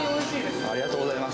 ありがとうございます。